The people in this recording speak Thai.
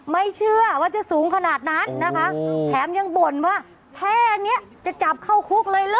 ไม่เชื่อว่าจะสูงขนาดนั้นนะคะแถมยังบ่นว่าแค่นี้จะจับเข้าคุกเลยเหรอ